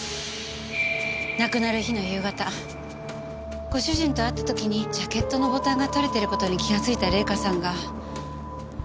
亡くなる日の夕方ご主人と会った時にジャケットのボタンが取れてる事に気がついた玲香さんが。